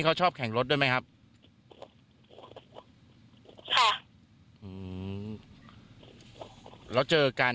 เป็นโจทย์อะไรกันเนี้ยก็เลยเหมือนไม่ย่างกันมั้ง